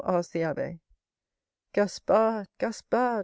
asked the abbé. "Gaspard, Gaspard!"